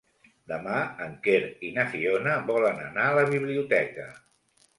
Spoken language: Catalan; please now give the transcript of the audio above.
Demà en Quer i na Fiona volen anar a la biblioteca.